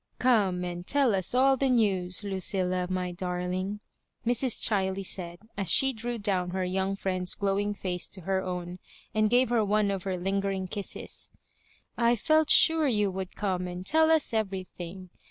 " Come and tell us all the news, Lucilla, my darling," Mrs. Chiley said, as she drew down her young friend's glowing face to her own, and gave her one of her lingering kisses ;" I felt sure you would come and tell us everything.